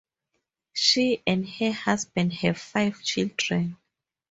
She and her husband have five children.